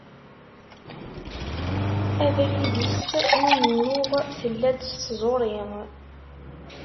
Abrid-is n umennuɣ tella-d s tẓuri.